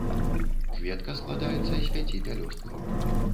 Кветка складаецца з пяці пялёсткаў.